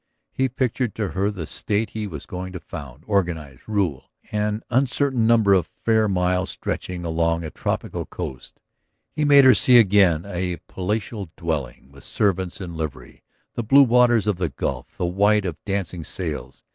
He pictured to her the state he was going to found, organize, rule, an uncertain number of fair miles stretching along a tropical coast; he made her see again a palatial dwelling with servants in livery, the blue waters of the Gulf, the white of dancing sails.